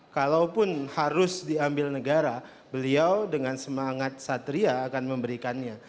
kalaupun harus diambil negara beliau dengan semangat satria akan memberikannya